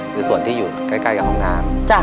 คือส่วนที่อยู่ใกล้กับห้องน้ำ